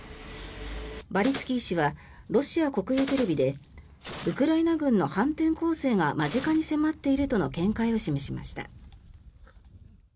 バリツキー氏はロシア国営テレビでウクライナ軍の反転攻勢が間近に迫っているとの見解を示しました。